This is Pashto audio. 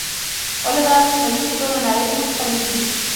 ولې دغه ټکنالوژي په ټوله نړۍ کې نه خپرېږي.